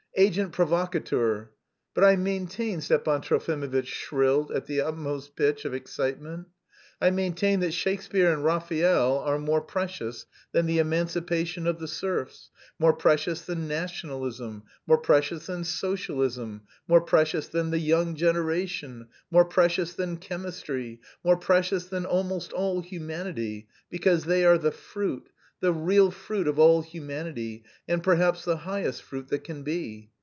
"Agent provocateur!" "But I maintain," Stepan Trofimovitch shrilled at the utmost pitch of excitement, "I maintain that Shakespeare and Raphael are more precious than the emancipation of the serfs, more precious than Nationalism, more precious than Socialism, more precious than the young generation, more precious than chemistry, more precious than almost all humanity because they are the fruit, the real fruit of all humanity and perhaps the highest fruit that can be.